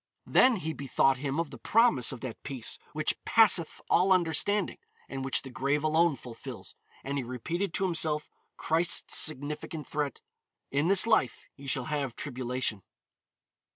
Then he bethought him of the promise of that peace which passeth all understanding, and which the grave alone fulfills, and he repeated to himself Christ's significant threat, "In this life ye shall have tribulation."